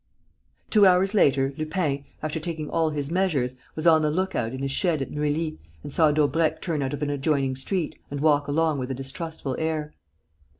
Two hours later, Lupin, after taking all his measures, was on the lookout in his shed at Neuilly and saw Daubrecq turn out of an adjoining street and walk along with a distrustful air.